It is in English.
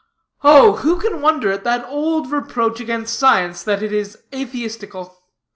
Oh, who can wonder at that old reproach against science, that it is atheistical?